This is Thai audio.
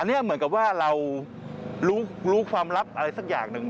อันนี้เหมือนกับว่าเรารู้ความลับอะไรสักอย่างหนึ่ง